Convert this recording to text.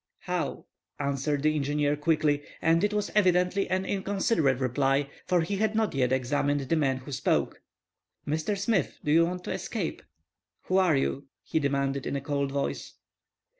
"How?" answered the engineer, quickly, and it was evidently an inconsiderate reply, for he had not yet examined the man who spoke. "Mr. Smith, do you want to escape?" ""Who are you?" he demanded, in a cold voice.